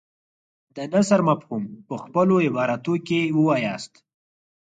د نثر مفهوم په خپلو عباراتو کې ووایاست.